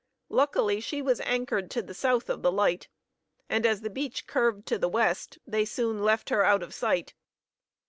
Luckily, she was anchored to the south of the light; and as the beach curved to the west, they soon left her out of sight.